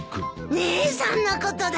姉さんのことだ。